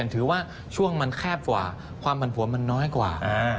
ถือว่าช่วงมันแคบกว่าความผันผวนมันน้อยกว่า